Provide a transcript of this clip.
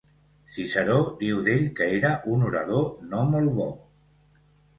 Ciceró diu d'ell que era un orador no molt bo.